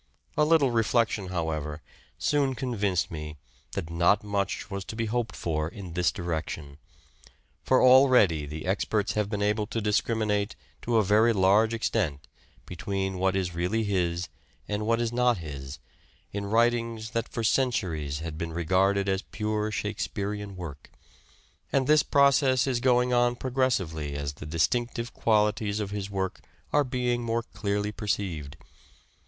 A little reflection, however, soon convinced me that not much was to be hoped for in this direction ; for already the experts have been able to discriminate to a very 134 THE SEARCH AND DISCOVERY 135 large extent between what is really his and what is not his, in writings that, for centuries, had been regarded as pure Shakespearean work ; and this process is going on progressively as the distinctive qualities of his work are being more clearly perceived.